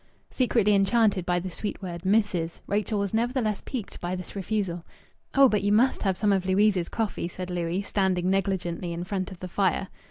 Secretly enchanted by the sweet word "missis," Rachel was nevertheless piqued by this refusal. "Oh, but you must have some of Louise's coffee," said Louis, standing negligently in front of the fire.